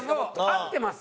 合ってます。